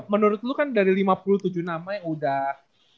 menurut lu kan dari lima puluh tujuh nama yang udah